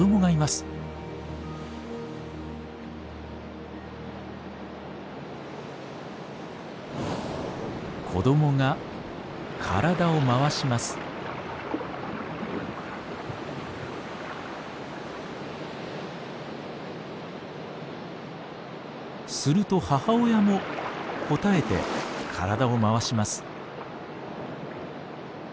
すると母親も応えて体を回します。